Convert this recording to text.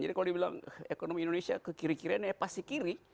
jadi kalau dibilang ekonomi indonesia kekirikirian ya pasti kiri